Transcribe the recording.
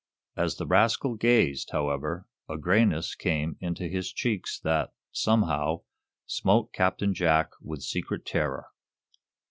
As the rascal gazed, however, a grayness came into his cheeks that, somehow, smote Captain Jack with secret terror.